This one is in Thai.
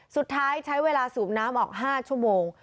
สุดท้ายใช้เวลาสูบน้ำออก๕ชั่วโมง